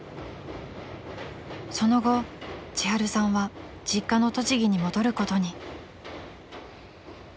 ［その後ちはるさんは実家の栃木に戻ることに］